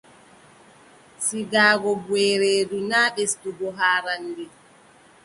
Sigaago buʼe e reedu, naa ɓesdugo haarannde.